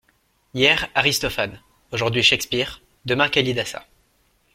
Hier, Aristophane ; aujourd'hui, Shakespeare : demain, Kalidasa.